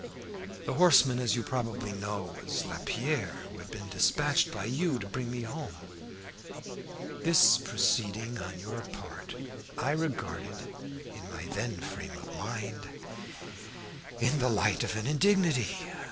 The horseman, as you probably know, was Lapierre, who had been despatched by you to bring me home. This proceeding on your part I regarded, in my then frame of mind, in the light of an indignity.